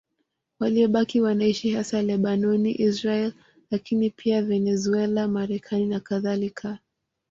Waliobaki wanaishi hasa Lebanoni, Israeli, lakini pia Venezuela, Marekani nakadhalika.